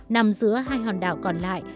nằm giữa hai hòn đảo còn lại